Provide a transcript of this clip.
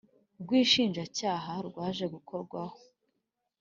Rw inshinjabyaha rwaje gukurwaho